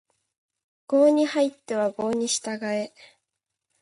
郷に入っては郷に従え